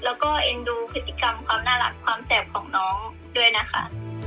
แล้วก็เอ็นดูพฤติกรรมความน่ารักความแสบของน้องด้วยนะคะ